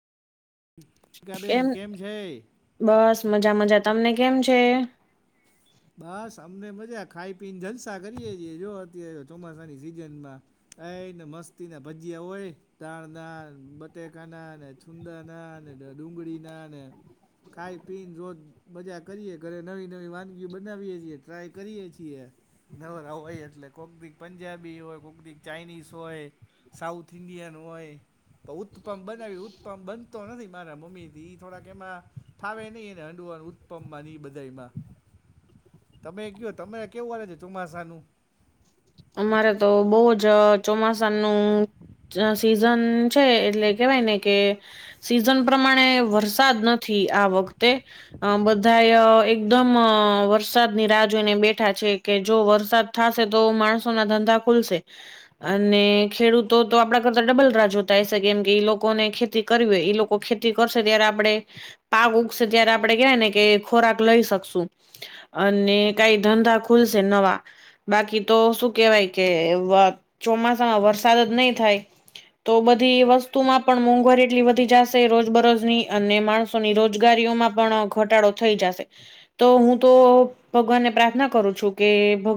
નીતાબેન કેમ છે? બસ મજા મજા તમને કેમ છે? બસ અમને મજા ખાઈ પી ને જલસા કરીએે છીએ જો અ ચોમાસાની સિઝન માં. એને મસ્તી ને ભજીયા હોય. તાણ ના બટેકા ના ને છુંદા ના ને ડુંગળી ના ને. ખાઈ પી ને રોજ મજા કરીએ ઘરે નવી નવી વાનગી ઈ બનાવીએ છીએ ટ્રાય કરીએ છીએ. નવરા હોય એટલે કોક દી પંજાબી હોય કોક દી ચાઈનીઝ હોય. સાઉથ ઇન્ડિયન હોય. તો ઉત્પમ બનાવી ઉત્પમ બનતો નથી મારા મમ્મીથી ઈ થોડાક એમાં. ફાવે નહિ એને હંડુવા ઉત્પમ માં ઈ બધા માં. તમે કયો તમે કેવું હાલે છે ચોમાસાનું? અમારે તો બોઉ જ ચોમાસાનું જ સિઝન છે એટલે કેવાય ને કે સિઝન પ્રમાણે વરસાદ નથી આ વખતે. અમ બધાય એકદમ વરસાદની રાહ જોઈને બેઠા છે. કે જો વરસાદ થાશે તો માણસોના ધંધા ખુલશે. અને ખેડૂતો તો આપડા કરતા ડબલ રાહ જોતા હસે કેમ કે એ લોકોને ખેતી કરવી હોય એ લોકો ખેતી કરશે ત્યારે આપડે પાક ઉગસે ત્યારે આપડે કેવાય ને કે ખોરાક લઈ શકશું. અને કાંઈ ધંધા ખૂલશે નવા બાકી તો શું કેવાય કે વ ચોમાસામાં વરસાદ જ નઈ થાય તો બધી વસ્તુમાં પણ મોંઘવારી એટલી વધી જાશે રોજબરોજની અને માણસ ણસોની રોજગારીઓમાં પણ ઘટાડો થઈ જાશે. તો હું તો ભગવાનને પ્રાર્થના કરું છું કે